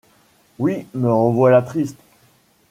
Oui, me revoilà triste!